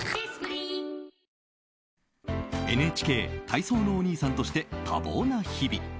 ＮＨＫ、体操のお兄さんとして多忙な日々。